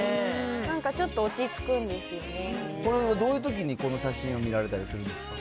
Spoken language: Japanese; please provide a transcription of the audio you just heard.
なんかちょっと落ち着これ、どういうときにこの写真を見られたりするんですか？